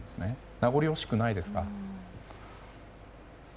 名残惜しくないですか？